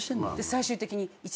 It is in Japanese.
最終的に。